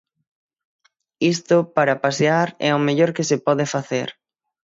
Isto para pasear é o mellor que se pode facer.